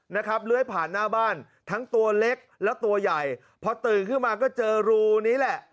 เลื้อยผ่านหน้าบ้านทั้งตัวเล็กแล้วตัวใหญ่พอตื่นขึ้นมาก็เจอรูนี้แหละ